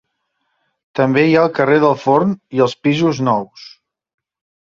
També hi ha el carrer del forn i els pisos nous.